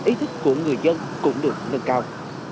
ý thức của người dân cũng được nâng cao